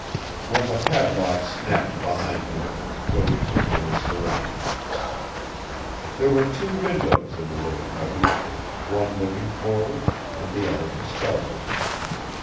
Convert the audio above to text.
When the padlock snapped behind him Code took in his surroundings. There were two windows in the little cubby, one looking forward and the other to starboard.